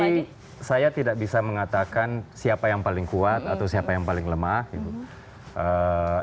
tapi saya tidak bisa mengatakan siapa yang paling kuat atau siapa yang paling lemah gitu